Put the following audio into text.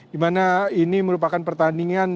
dimana ini merupakan pertandingan